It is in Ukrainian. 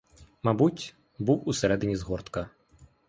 Мабуть, був усередині згортка.